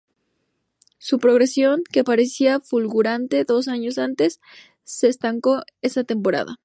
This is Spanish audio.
Su progresión, que parecía fulgurante dos años antes, se estancó esa temporada.